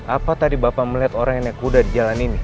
apa tadi bapak melihat orang yang naik kuda di jalan ini